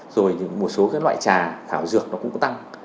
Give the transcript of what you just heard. rồi một số loại trà thảo dược nó cũng có tăng